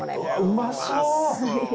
うまそう！